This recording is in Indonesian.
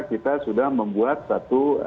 kita sudah membuat satu